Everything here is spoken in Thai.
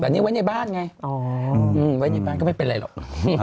แต่นี่ไว้ในบ้านไงไว้ในบ้านก็ไม่เป็นไรหรอก